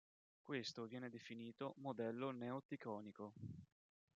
Questo viene definito "modello Neo-Ticonico".